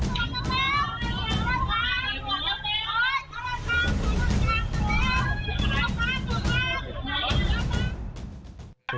สดท้าย